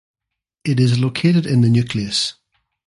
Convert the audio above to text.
It is located in the nucleus.